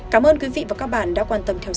cảm ơn quý vị và các bạn đã quan tâm theo dõi